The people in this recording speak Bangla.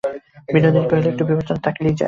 বিনোদিনী কহিল, একটু বিবেচনা থাকিলেই যায়।